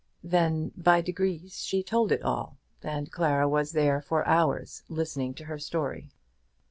Then by degrees she told it all, and Clara was there for hours listening to her story.